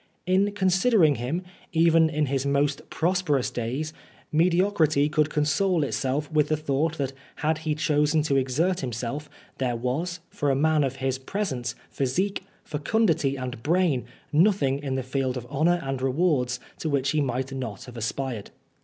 In considering him, even in his most prosperous days, mediocrity could console 38 Oscar Wilde itself with the thought that had he chosen to exert himself, there was, for a man of his presence, physique, facundity, and brain, nothing in the field of honour and rewards to which he might not have aspired.